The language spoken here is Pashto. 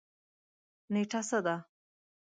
نیټه څه ده؟